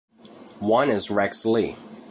One is Rex Lee.